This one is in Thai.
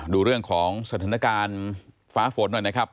ดูเรื่องของสถานการณ์ฟ้าฝนหน่อยนะครับ